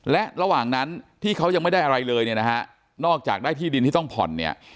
และระหว่างนั้นที่เขายังไม่ได้อะไรเลยเนี่ยนะฮะนอกจากได้ที่ดินที่ต้องผ่อนเนี่ย